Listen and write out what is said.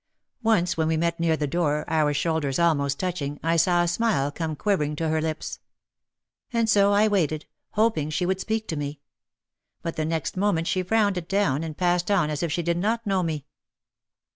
Once when we met near the door, our shoulders almost touching, I saw a smile come quivering to her lips. And so I waited, hop ing she would speak to me. But the next moment she frowned it down and passed on as if she did not know me.